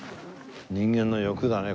人間の欲だね